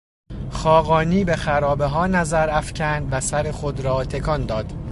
خاقانی به خرابهها نظر افکند و سر خود را تکان داد.